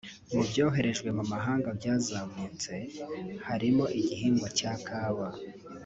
Mu byoherejwe mu mahanga byazamutse harimo igihingwa cya kawa